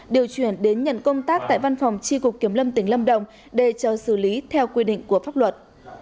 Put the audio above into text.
điều chuyển đến nhận công tác tại văn phòng tri cục kiểm lâm tỉnh lâm đồng để chờ xử lý theo quy định của pháp luật